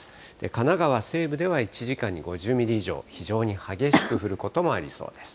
神奈川西部では１時間に５０ミリ以上、非常に激しく降ることもありそうです。